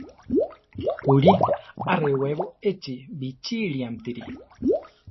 Uri; arewebo echi bichíriamtiri.